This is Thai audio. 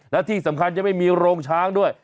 และที่สำคัญยังไม่มีโรงช้างด้วย